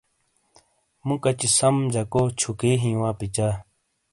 مُو کچی سم جکو چھُکی ہِیں وا پچا ۔